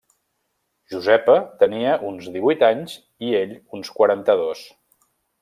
Josepa tenia uns divuit anys i ell uns quaranta-dos.